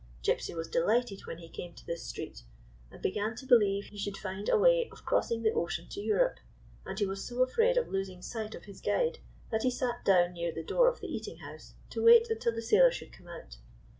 Gypsy was delighted when he came to this street, and began to believe he should find a way of crossing the ocean to Europe; and he was so afraid of losing sight of his guide that he sat down near the door of the eating house to wait until the sailor should come out.